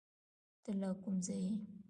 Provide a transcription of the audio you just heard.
ته له کوم ځایه یې؟